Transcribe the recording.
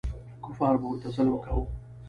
کفار به ورته ظلم کاوه.